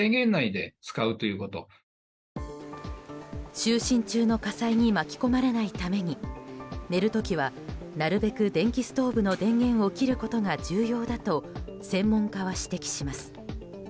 就寝中の火災に巻き込まれないために寝る時は、なるべく電気ストーブの電源を切ることが重要だと専門家は指摘します。